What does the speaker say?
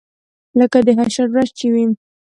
لکه د حشر ورځ چې وي.